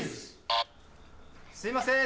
すいません